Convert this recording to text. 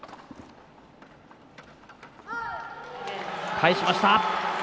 返しました。